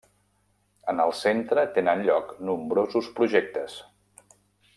En el centre tenen lloc nombrosos projectes.